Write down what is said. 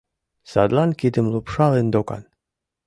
Садлан кидым лупшалын докан.